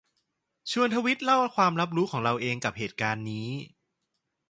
ชวนทวีตเล่าความรับรู้ของเราเองกับเหตุการณ์นี้